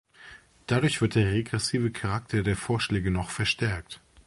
Dadurch wird der regressive Charakter der Vorschläge noch verstärkt.